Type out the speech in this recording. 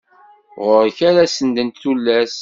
Ɣur-k ara sendent tullas.